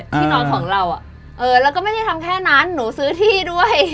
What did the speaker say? ที่นอนของเราแล้วก็ไม่ได้ทำแค่นั้นหนูซื้อที่ด้วย